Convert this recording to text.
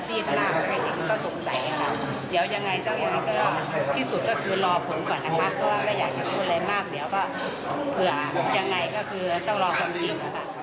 เพราะว่าไม่อยากจะพูดอะไรมากเดี๋ยวก็เผื่อยังไงก็คือต้องรอความจริง